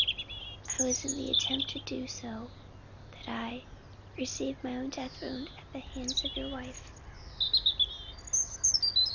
It was in the attempt to do so that I received my own death wound at the hands of your wife."